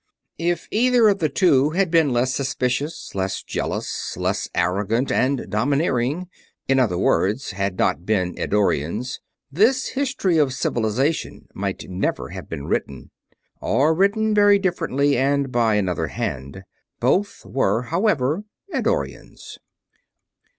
If either of the two had been less suspicious, less jealous, less arrogant and domineering in other words, had not been Eddorians this History of Civilization might never have been written; or written very differently and by another hand. Both were, however, Eddorians.